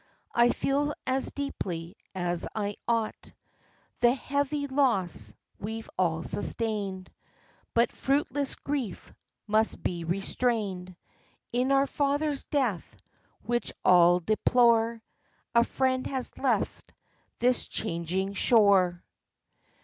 "I feel as deeply as I ought The heavy loss we've all sustained; But fruitless grief must be restrained. In our father's death, which all deplore, A friend has left this changing shore, 96 THE LIFE OF CHANTICLEER.